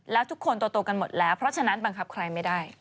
แล้วทุกคนโตกันหมดแล้วเพราะฉะนั้นบังคับใครไม่ได้